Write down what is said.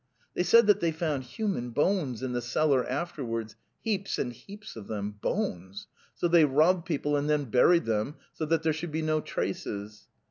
They said that they found human bones in the cellar afterwards, heaps and) heaps) of | them." Bones! \.). (se mthey, robbed people and then buried them, so that there should be no traces.